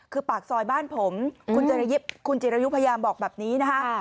คือปากซอยบ้านผมคุณจิรยุพยายามบอกแบบนี้นะคะ